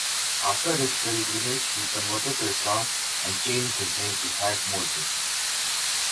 After his pilgrimage he converted to Islam and changed his name to Hag Moses.